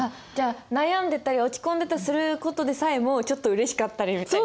悩んでたり落ち込んでたりする事でさえもちょっとうれしかったりみたいな。